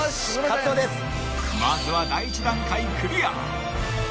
［まずは第１段階クリア］